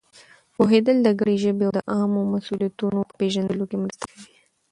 پوهېدل د ګډې ژبې او د عامو مسؤلیتونو په پېژندلو کې مرسته کوي.